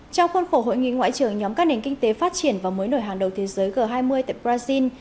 trong khuôn khổ hội nghị ngoại trưởng nhóm các nền kinh tế phát triển và mới nổi hàng đầu thế giới g hai mươi tại brazil